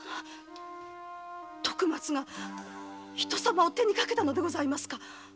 徳松が人様を手にかけたのでございますか？